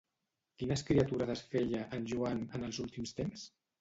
Quines criaturades feia, en Joan, en els últims temps?